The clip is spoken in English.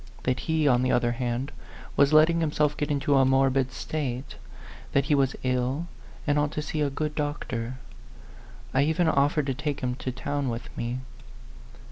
That he, on the other hand, was letting himself get into a morbid state ; that he was ill, and ought to see a good doctor. I even offered to take him to town with me.